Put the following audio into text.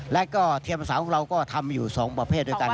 และก็เทียมภาษาของเราก็ทำอยู่๒ประเภทด้วยกัน